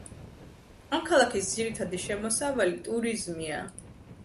ამ ქალაქის ძირითადი შემოსავალი ტურიზმია.